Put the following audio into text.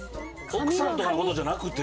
奥さんとかじゃなくて？